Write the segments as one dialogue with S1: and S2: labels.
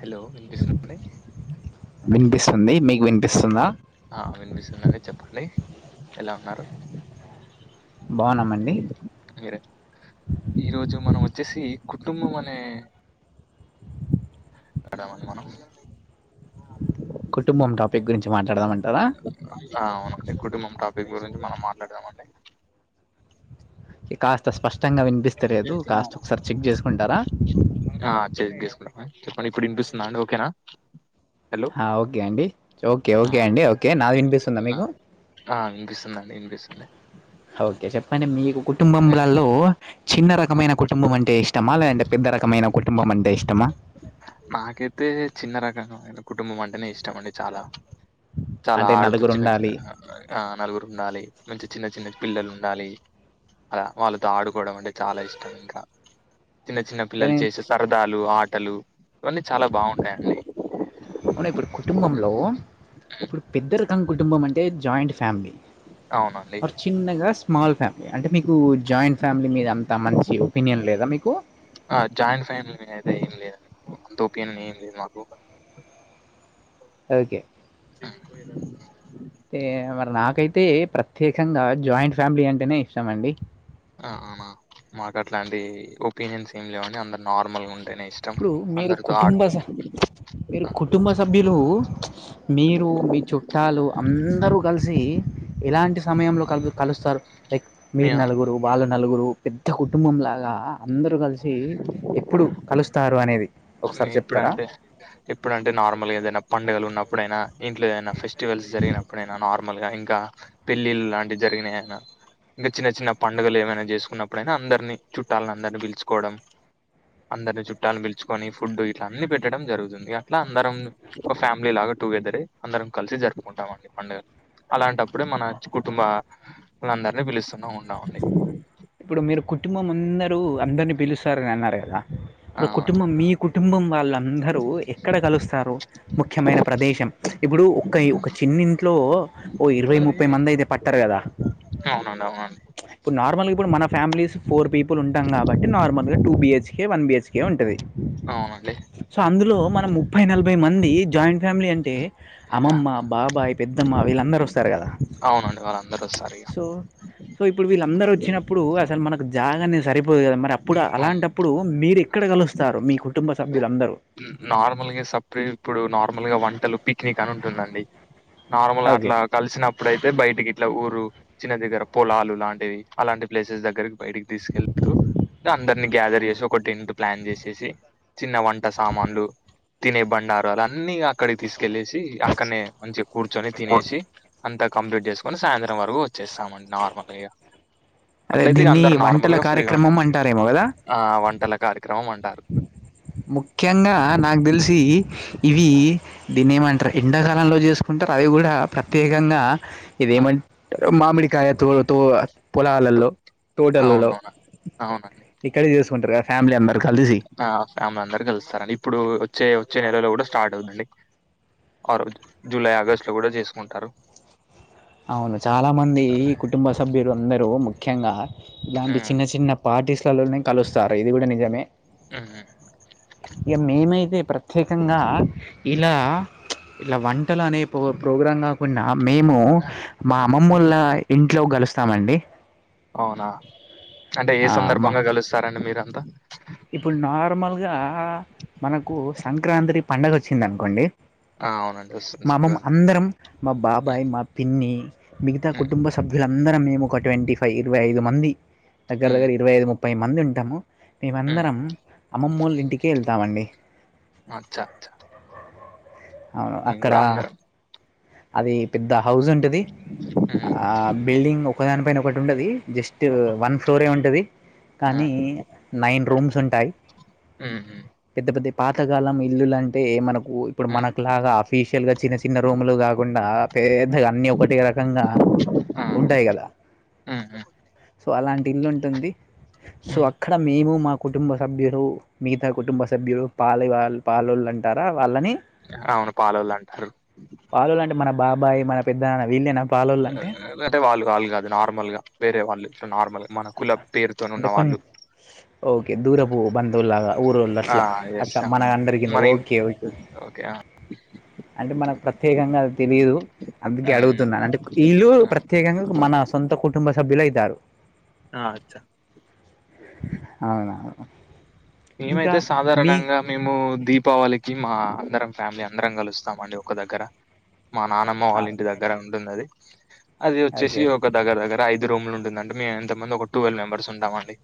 S1: Hello వినిపిస్తుంద అండి
S2: వినిపిస్తుంది మీకు వినిపిస్తుంద
S1: ఆ వినిపిస్తుందండి చెప్పండి ఎలా ఉన్నారు
S2: బాన్నామండి
S1: మీరే ఈరోజు మనం వచ్చేసి కుటుంబం అనే [unintelligible] మనం
S2: కుటుంబం టాపిక్ గురించి మాట్లాడదామంటార
S1: ఆ అవును కుటుంబం టాపిక్ గురించి మనం మాట్లాడదామండి
S2: కాస్త స్పష్టంగా వినిపిస్తలేదు కాస్త ఒకసారి చెక్ చేసుకుంటార
S1: ఆ చెక్ తీసుకుంటా చెప్పండి ఇప్పుడు వినిపిస్తుంద అండి ఓకేన
S2: ఆ ఓకే అండి ఓకే
S1: ఆ
S2: ఓకే అండి ఓకే నాది వినిపిస్తుంద
S1: ఆ
S2: మీకు
S1: ఆ వినిపిస్తుందండి వినిపిస్తుంది
S2: ఓకే చెప్పండి మీకు
S1: ఆ
S2: కుటుంబ్రంలలో చిన్న
S1: ఆ,
S2: రకమైన కుటుంబం అంటే ఇష్టమ లేదంటే పెద్ద రకమైన కుటుంబం అంటే ఇష్టమ
S1: నాకైతే చిన్న రకమైన కుటుంబం అంటేనే ఇష్టం అండి చాల చాల
S2: అంటే
S1: ఆడుతూ
S2: నలుగురు
S1: చిన్న
S2: ఉండాలి
S1: చిన్నగా ఆ నలుగురు ఉండాలి మంచి చిన్న చిన్న పిల్లలు ఉండాలి అల వాళ్ళతో ఆడుకోవడం అంటే చాల ఇష్టం ఇంకా చిన్న చిన్న పిల్లలు
S2: కానీ
S1: చేసే సరదాలు ఆటలు ఇవన్నీ చాల బాగుంటాయండి
S2: అవును ఇప్పుడు కుటుంబంలో ఇప్పుడు పెద్దరికం కుటుంబం అంటే జాయింట్ ఫ్యామిలీ
S1: అవును
S2: ఆర్ చిన్నగా స్మాల్ ఫ్యామిలీ అంటే మీకు జాయింట్ ఫ్యామిలీ మీద అంత మంచి ఒపీనియన్ లేదా మీకు
S1: ఆ జాయింట్ ఫ్యామిలీ అయితే ఏం లేదు మా అంత ఒపీనియన్ ఏం లేదు మాకు
S2: ఓకే
S1: హ్మ్
S2: ఎ మరి నాకైతే ప్రత్యేకంగ జాయింట్ ఫ్యామిలీ అంటేనే ఇష్టం అండి
S1: అవునా మాకు అట్లాంటి ఒపీనియన్స్ ఏమి లేవండి అందరు నార్మల్గ ఉంటేనే ఇష్
S2: ఇప్పుడు మీరు
S1: అందరితో
S2: కుటుంబ
S1: ఆడుతు
S2: స మీరు కుటుంబ సభ్యులు మీరు మీ చుట్టలు అందరూ కలిసి ఎలాంటి సమయంలో కలు కలుస్తారు లైక్ మీరు
S1: మీ-
S2: నలుగురు వాళ్ళు నలుగురు పెద్ద కుటుంబంలాగ అందరూ కలిసి ఎప్పుడు కలుస్తారు అనేది ఒకసారి చెప్తారా?
S1: ఎప్పుడంటే ఎప్పుడంటే నార్మల్గ ఏదైనా పండుగలు ఉన్నప్పుడైనా ఇంట్లో ఏదైనా ఫెస్టివల్స్ జరిగినప్పుడైనా నార్మల్గా ఇంక పెళ్ళిళ్ళ లాంటివి జరిగినానైన ఇంగ చిన్న చిన్న పండుగలు ఏమైనా చేసుకున్నప్పుడైనా అందరినీ చుట్టాలని అందరినీ పిలుచుకోవడం అందరిని చుట్టాలు పిలుచుకొని ఫుడ్ ఇట్ల అన్ని పెట్టడం జరుగుతుంది అట్ల అందరం ఒక ఫ్యామిలీ లాగ టుగెదర్ అయ్యి అందరం కలిసి జరుపుకుంటాం అండి పండగ అలాంటప్పుడే మన కుటుంబ అందరిని పిలుస్తూనే ఉంటామండి
S2: ఇప్పుడు మీరు కుటుంబం అందరూ అందరినీ పిలుస్తారని అన్నారు కద ఇప్పుడు
S1: అవునండి
S2: కుటుంబం మీ కుటుంబం వాళ్ళందరూ ఎక్కడ కలుస్తారు ముఖ్యమైన ప్రదేశం ఇప్పుడు ఒక ఒక చిన్నింట్లో ఓ ఇరవై ముప్పై మంది అయితే పట్టరు కద
S1: ఆ అవునండి అవును
S2: ఇప్పుడు నార్మల్ గా ఇప్పుడు మన ఫ్యామిలీస్ ఫోర్ పీపుల్ ఉంటాం కాబట్టి నార్మల్ గా two B H K one B H K ఉంటది
S1: అవునండి
S2: సో అందులో మనం ముప్పై నలభై మంది జాయింట్ ఫ్యామిలీ అన్ టే అమ్మమ్మ బాబాయ్ పెద్దమ్మ వీళ్ళందరూ వస్తారు గదా
S1: అవునండి వాళ్ళందరూ ఒస్తారిగా
S2: సో ఇప్పుడు వీళ్ళందరూ వచ్చినప్పుడు అసలు మనకు జాగా అనేది సరిపోదు కదా మరి అప్పుడు
S1: అవును
S2: అలాంటప్పుడు మీరే క్కడ కలుస్తారు మీ కుటుంబ సభ్యులందరూ
S1: నార్మల్గా సప్రె ఇప్పుడు నార్మల్గా వంటలు పిక్నిక్ అని ఉంటుందండి నార్మల్
S2: ఓకే
S1: అట్లా కలిసినప్పుడు అయితే బయటికి ఇట్లా ఊరు చిన దగ్గర పొలాలు లాంటివి అలాంటి ప్లేసెస్ దగ్గరకి బయటికి తీసుకెళ్తూ ట్ల అందరినీ గ్యాదర్ చేసి ఒక టెంటు ప్లాన్ చేసేసి చిన్న వంట సామాన్లు తినే బండారాలు అన్నీ ఇగ క్కడికి తీసుకెళ్ళేసి అక్కడనే మంచిగా కూర్చొని తినేసి అంతా కంప్లీట్ చేసుకొని సాయంత్రం వరకు వచ్చేస్తామండి నార్మల్ గా ఇగ
S2: అదే
S1: అట్లయితే ఇగ
S2: దీన్ని
S1: అందరూ
S2: వంటల
S1: నార్మల్ గా ఫ్రీగా ఉంటా
S2: కార్యక్రమం అంటారేమో కదా
S1: ఆ వంటల కార్యక్రమం అంటారు
S2: ముఖ్యంగా నాకు తెలిసి ఇవి దీన్నేమంటారు ఎండాకాలంలో చేసుకుంటారు అది కూడా ప్రత్యేకంగా ఇదేమన్ మామిడికాయ తో తో పొలాలల్లో తోటలలో
S1: అవునవును అవునండి
S2: ఇక్కడే చేసుకుంటరుగా ఫ్యామిలీ అందరూ కలిసి
S1: ఆ ఫ్యామిలీ అందరూ కలుస్తారండి ఇప్పుడు వచ్చే వచ్చే నెలలో కూడా స్టార్ట్ అవుద్దండి ఆ రోజు జూలై ఆగస్టు లో కూడా చేసుకుంటారు
S2: అవును చాలా మంది కుటుంబ సభ్యులు అందరూ ముఖ్యంగా ఇలాంటి
S1: ఉమ్
S2: చిన్న చిన్న పార్టీస్ లల్లోనే కలుస్తారు ఇది కూడా నిజమే
S1: ఊహూ
S2: ఇగ మేమైతే ప్రత్యేకంగా ఇలా ఇలా వంటలు అనే పో ప్రోగ్రాం కాకుండా మేము మా అమ్మమ్మొల్ల ఇంట్లో గలుస్తామండి
S1: అవునా అంటే ఏ
S2: ఆ, మా
S1: సందర్బంగా కలుస్తారండి మీరంతా
S2: ఇప్పుడు నార్మల్గా మనకు సంక్రాంత్రి పండగొచ్చిందనుకోండి
S1: ఆ అవునండి వస్తుంది
S2: మా అమ్మమ్మ
S1: సంక్రాంతి
S2: అందరం మా బాబాయ్ మా పిన్ని మిగతా
S1: ఉమ్
S2: కుటుంబ సభ్యులందరం మేం ఒక ట్వంటీ ఫైవ్ ఇరవై ఐదు మంది దగ్గర
S1: ఉమ్
S2: దగ్గర ఇరవై ఐదు ముప్పై మంది ఉంటాము
S1: ఉమ్
S2: మేమందరం అమ్మమ్మోళ్ళింటికే వెళ్తామండి
S1: అచ్చా అచ్చ
S2: అవును అక్కడ
S1: అందరం
S2: అది పెద్ద హౌజుంటది
S1: ఉమ్
S2: ఆ బిల్డింగ్ ఒకదాని పైన ఒకటి ఉండది జస్ట్ వన్ ఫ్లోరే ఉంటది
S1: ఆ
S2: కానీ నైన్ రూమ్స్ ఉంటాయి
S1: ఉమ్ ఉమ్
S2: పెద్ద పెద్దయి పాతకాలం ఇల్లులంటే మన కు ఇప్పుడు
S1: ఉమ్,
S2: మనకు లాగా అఫీషియల్ గా చిన్న చిన్న రూం లు గాక్ గుండా పేద్దగా అన్నీ ఒకటే రకంగా
S1: ఆ
S2: ఉంటాయి గదా
S1: ఉమ్ ఉమ్
S2: సో అలాంటి ఇల్లుంటుంది సో
S1: ఉమ్.
S2: అక్కడ మేము మా కుటుంబ సభ్యులు మిగతా కుటుంబ సభ్యులు పాలెవాల్ పాలోళ్ళంటారా వాళ్ళని
S1: అవును పాలోళ్ళంటారు
S2: పాలోళ్ళంటే మన బాబాయ్ మన పెద్దనాన్న వీళ్ళేనా పాలోళ్ళు అంటే
S1: అంటే వాళ్ళు వాళ్ళు కాదు నార్మల్ గా వేరే వాళ్ళు నార్మల్ గా మన కులం
S2: అంటే కొన్ని
S1: పేరుతోనున్నవాళ్ళు
S2: ఓకే దూరపు బంధువుల్లాగా
S1: ఆ
S2: ఊరోళ్ళట్లా
S1: ఎస్
S2: అట్లా
S1: ఆ
S2: మన అందరికింద
S1: మన ఇన్
S2: ఓకే ఓ
S1: ఓకే ఆ
S2: అంటే మనకు ప్రత్యేకంగా అది తెలియదు అందుకే
S1: ఉమ్
S2: అడుగుతున్నాను
S1: ఉమ్
S2: అంటే ఇళ్ళు ప్రత్యేకంగా మన సొంత కుటుంబ సభ్యులయితారు
S1: ఆ అచ్చా
S2: అవునవును
S1: మీమైతే సాధారణంగా మేము దీపావళికి మా అందరం ఫ్యామిలీ అందరం కలుస్తామండి ఒక దగ్గర మా నానమ్మ వాళ్ళ ఇంటి దగ్గర ఉంటుంది అది అది వచ్చేసి
S2: ఓకే
S1: ఒక దగ్గర దగ్గర ఐదు రూమ్లు ఉంటుందండి మేమేంత మంది ఒక వెల్ మెంబర్స్ ఉంటాం అండి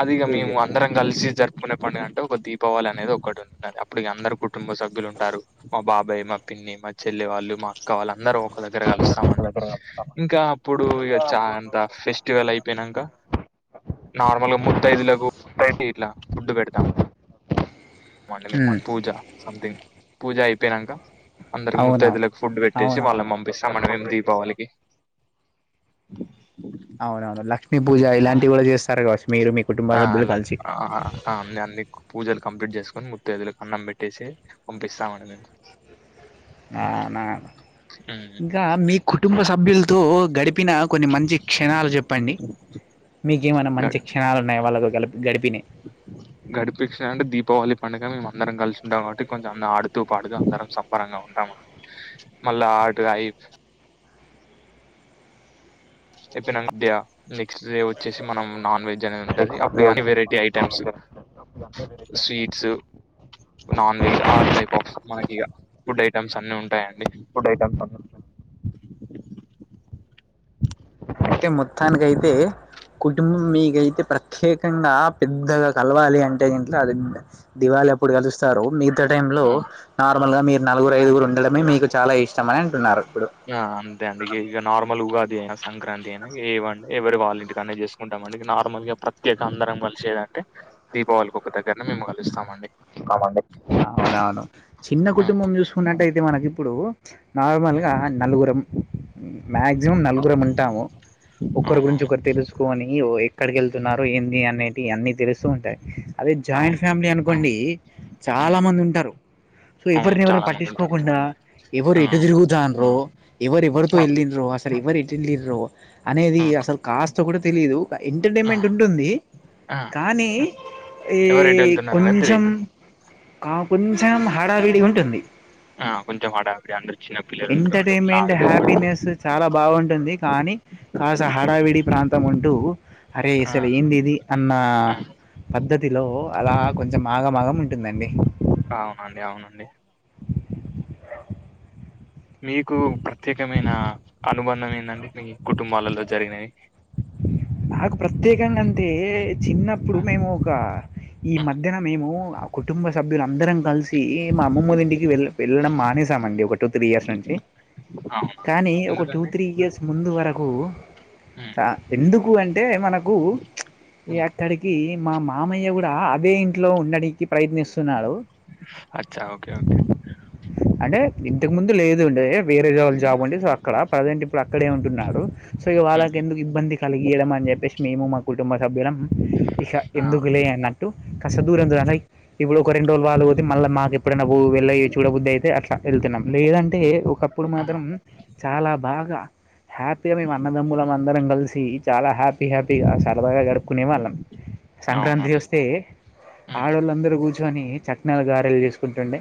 S1: అది ఇగ మేము
S2: ఓకే
S1: అందరం కలిసి జరుపుకునే పండుగంటే ఒక దీపావళి అనేది ఒకటి ఉంటుంది అప్పుడు ఇగ అందరు ప్ కుటుంబ సభ్యులు ఉంటారు మా బాబాయ్ మా పిన్ని మా చెల్లి వాళ్ళు మా కావాలందరూ ఒక దగ్గర కలుస్తామండి ఇంకా అప్పుడు ఇగ చ అంత ఫెస్టివల్ అయిపోయినంక నార్మల్గా ముత్తైదులకు ఇట్లా ఫుడ్డు పెడుతాం పూజ సంథింగ్ పూజ అయిపోయినాక అందరికి
S2: అవునా
S1: ముత్తయిదువులకు ఫుడ్ పెట్టేసి వాళ్ళం
S2: అవునవును
S1: పంపిస్తాం మనం ఏం దీపావళికి
S2: అవునవును లక్ష్మీ పూజ ఇలాంటివి కూడా చేస్తారు కావచ్చు మీరు మీ కుటుంబ సభ్యులు కలిసి
S1: అ అన్ని పూజలు కంప్లీట్ చేసుకుొని ముత్తయిదువులకు అన్నం పెట్టేసి పంపిస్తామండి మేము
S2: అవునా ఇంకా మీ కుటుంబ సభ్యులతో గడిప్ పిన కొన్ని మంచి క్షణాలు చెప్పండి మీకేమైనా మంచి క్షణాలు ఉన్నాయ వాళ్ళతో గ గడిపినయ్
S1: గడిపించిన అంటే దీపావళి పండగ మేము అందరం కలిసింటాం కాబట్టి కొంచెం ఆడుతూ పాడుతు అందరం స బరంగా ఉంటమండి మళ్ళా ఆటు ఐ చెప్పిన మధ్య నెక్స్ట్ డే వచ్చేసి మనం నాన్ వెజ్ అనేది ఉంటది అప్పుడు అన్ని variety items sweets non veg all type of మనకి ఫుడ్ ఐటెమ్స్ అన్ని ఉంటాయండి
S2: ఫుడ్ ఐటమ్స్ అన్ని అయితె మొత్తానికైతే కుటుంబం మీకైతే ప్రత్యేకంగా పెద్దగా కలవాలి అంటే గిట్ల పెద్ దివాళి అప్పుడు కలుస్తారు మీ గత టైం లో
S1: ఆ
S2: నార్మల్ గా మీరు నలుగురు ఐదుగురు
S1: అలాగే.
S2: ఉండడమే మీకు చాలా ఇష్టమని అంటున్నారు ఇప్పుడు
S1: ఆ అంతే అండి ఇగ ఇగ నార్మల్ ఉగాది అయినా సంక్రాంతి అయినా ఏవండి ఎవరి వాళ్ళ ఇంటికనే చేస్ కుంటామండి నార్మల్ గా ప్రత్యేక అందరం కలిసేదంటే దీపావళికి ఒక దగ్గర్నే మేము కలుస్తామండి
S2: తమండి అవునవును చిన్న
S1: ఆ
S2: కుటుంబం చూసుకున్నట్టయితే మనకి ఇప్పుడు
S1: ఆ!
S2: నార్మల్గా నలుగురం మాక్సిమం నలుగురం ఉంటాము ఒకరి గురించి
S1: అవునవును
S2: ఒకరు తెలుసు కోని ఎక్కడికేళ్తున్నారో ఏంది అనేటియి అన్ని తెలుస్తూ ఉంటాయి అదే జాయింట్
S1: అవును
S2: ఫ్యామిలీ అను కొండి చాలా
S1: హ్మ్.
S2: మంది ఉంటారు సో
S1: అవును
S2: ఎవర్ని ఎవర్ని
S1: చాలా మంది ఉంటారు
S2: పట్టించుకోకుండా ఇవరు
S1: ఆ
S2: ఎటు తిరుగుతండ్రో ఇవరు ఎవరితో
S1: అవును
S2: ఎల్లిండ్రో అసల్ ఎవరు ఎటేలిండ్రో అనేది
S1: ఆ
S2: అసలు కాస్త కూడా తెలియదు
S1: ఆ
S2: ఎంటర్టైన్మెంట్ ఉంటుంది
S1: ఆ
S2: కానీ ఈ
S1: ఎవరు ఎటు వెళ్తున్నారనేది తెలియదు
S2: ఆ కొంచెం హడావిడిగా ఉంటుంది
S1: ఆ కొంచెం హడావిడి అందరు చిన్న పిల్లలు ఉంటారు కాబట్టి వాళ్ళు
S2: ఎంటర్టైన్మెంట్
S1: ఆడుతూ పాడుతూ
S2: హ్యాపీనెస్ చాలా బాగుంటుంది కానీ కాస హడావిడి ప్రాంతం అంటూ అరే
S1: ఆ
S2: అసలు ఏంది ఇది అన్న
S1: ఆ!
S2: పద్ధతిలో అలా కొంచెం ఆఘమాగం ఉంటుందండి
S1: అవునండి అవును మీకు ప్రత్యేకమైన అనుబంధం ఏంటంటే మీ కుటుంబాలలో జరిగినవి
S2: నాకు ప్రత్యేకంగా అంటే చిన్నప్పుడు మేము ఒక ఈ మధ్యన మేము మా కుటుంబ సభ్యులందరం కలిసి మా అమ్మమో ఇంటికి వెళ్ళి వెళ్ళడం మానేసామండి ఒక టూ త్రీ ఇయర్స్ నుంచి
S1: అ [inaudible]
S2: కానీ ఒక టూ త్రీ ఇయర్స్ ముందు వరకు
S1: హ్మ్
S2: ఎందుకు అంటే మనకు ఈ
S1: హ్మ్
S2: అక్కడికి మా మామయ్య కూడా అదే ఇంట్లో ఉండడానికి ప్రయత్నిస్తుంది చూస్తున్నాడు
S1: ఆ
S2: అంటే ఇంతకు ముందు లేదుండి వేరే జ జాబ్ ఉండి సో అక్కడ ప్రజెంట్ ఇప్పుడు అక్కడే ఉంటున్నారు సో ఇగా
S1: హ్మ్
S2: వాళ్ళకి ఎందుకు ఇబ్బంది కలిగియడం అని చెప్పేసి మేము మా కుటుంబ సభ్యులం ఇక
S1: ఆ!
S2: ఎందుకులే అన్నా కాస్త దూరం రండి ఇప్పుడు ఒక రెండు రోజు వాళ్ళు పోతే మళ్ళ మాకు ఎప్పుడన్నా నువ్వు వెళవి చూడబుద్ధి అయితే అట్లా వెళ్తున్నాం లేదంటే ఒక ఇప్పుడు
S1: ఆ!
S2: మాత్రం చాలా బాగా హ్యాపీగా మేము అన్నదమ్ములం అందరం కలిసి చాలా హ్యాపీ హ్యా హ్యాపీగా సరదాగా గడుపుకునే వాళ్ళం
S1: అవునా
S2: సంక్రాంతి
S1: అండి.
S2: వస్తే తే
S1: హ్మ్
S2: ఆడోళ్ళ అందరు కూర్చుని చట్నాల గారెలు చేసుకు కూర్చుంటే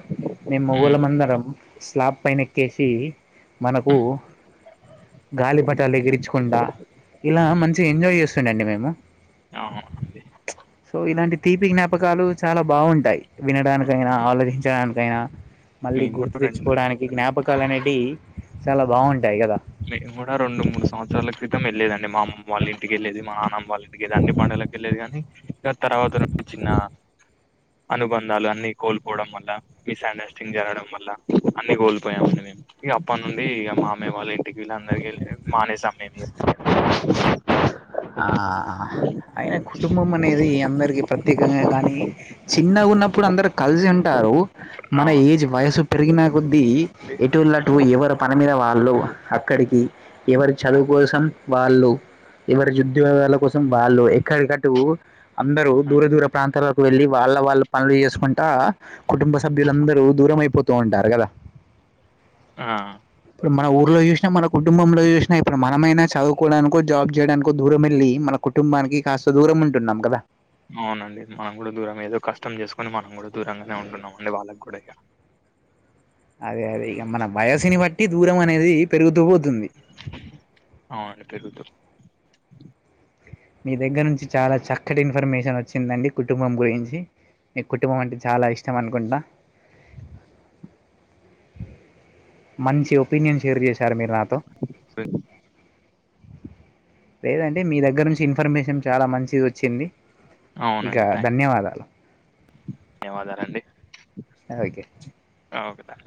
S2: మేము
S1: హ్మ్
S2: మోగోలమందరం స్లాబ్ పైన ఎక్కేసి మనకు
S1: హ్మ్
S2: గాలి బట్టాలు ఎగిరించు కుంటా ఇలా మంచిగా ఎంజాయ్ చేస్తుండండి మేము
S1: అవును
S2: సో ఇలాంటి తీపి జ్ఞాపకాలు చాలా బాగుంటాయి వినడానికైనా ఆలోచించడానికి కైనా మళ్ళీ
S1: మేము
S2: గుర్తు
S1: కూడా రెండు
S2: తెచ్చుకోవడానికి జ్ఞాపకాలు అనేటి చాలా బాగుంటాయి కదా
S1: మేము కూడా రెండు మూడు సంవత్సరాల క్రితం వెళ్ళేదండి మా అమ్మమ్మ వాళ్ళ ఇంటికి వెళ్లేది మా అన్నమ్ వాళ్ళు ఇంటికి అన్ని పండుగకి వెళ్ళేది గాని ఆ తర్వాత చిన్న అనుబంధాలు అన్ని కోల్పోవడం వల్ల మిస్ అండర్స్టాండింగ్ జరగడం వల్ల అన్ని కోల్పోయామని మేము ఇక అప్పటి నుండి ఇక మామే వాళ్ళ అందరి ఇంటికి వెళ్ళడం మానేశాము మేము
S2: ఆ అయిన కుటుంబం అనేది అందరికిీ ప్రత్యేకంగా కానీ చిన్నగా ఉన్నప్పుడు అందరు కలిసి ఉంటారు మన
S1: అవునండి.
S2: ఏజ్ వయసు పెరిగినా కొద్దీ ఎటోళ్ళు
S1: ఆ!
S2: అటు ఎవరు పనిమీద వాళ్ళు అక్కడికి ఎవరి చదువు కోసం వాళ్ళు ఎవరి ఉద్యగాల కోసం వాళ్ళు ఎక్కడికట్టు అందరు
S1: ఆ!
S2: దూర దూర ప్రాంతాల కు వెళ్ళి వాళ్ళ వాళ్ళ పనులు చేసుకుంటా కుటుంబ సభ్యులందరూ దూరం అయిపోతూ ఉంటారు కదా
S1: ఉమ్
S2: ఇప్పుడు మన ఊర్లో చూసినా మన కుటుంబంలో చూసినా ఇప్పుడు మనమైనా చదువుకోవడానికో జాబ్ చేయడానికి దూరం వెళ్ళి మన కుటుంబానికి కాస్త దూరం ఉంటున్నాం కదా
S1: అవునండి మనం కూడా దూరం ఏదో కష్టం చేసుకుని మనం కూడా దూరంగానే ఉంటున్నాం అండి వాళ్ళకి కూడా ఇ
S2: అదే అదే ఇక మన వయసుని బట్టి దూరం అనేది పెరుగుతూ పోతుంది
S1: అవును పెరుగుతూ
S2: మీ దగ్గర నుంచి చాలా చక్కటి ఇన్ఫర్మేషన్ వచ్చిందండి కుటుంబం గురించి నీకు కుటుంబం అంటే చాలా ఇష్టం అనుకుంటున మంచి ఒపీనియన్ షేర్ చేశారు మీరు నాతో లేదంటె మీ దగ్గర నుంచి ఇన్ఫర్మేషన్ చాలా మంచిది వచ్చింది ఇక
S1: అవునండి. థ్యాంక్
S2: ధన్యవాదాలు
S1: ధన్యవాదాలండి
S2: ఒకే
S1: ఓకేదా